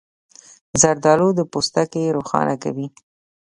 زردالو د پوستکي روښانه کوي.